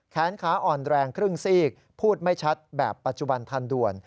แขนขาอ่อนแรงครึ่งซีกพูดไม่ชัดแบบปัจจุบันทันด่วน